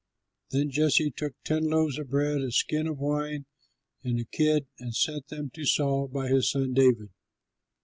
Then Jesse took ten loaves of bread, a skin of wine, and a kid, and sent them to Saul by his son David.